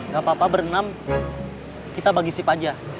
gak apa apa berenang kita bagi sip aja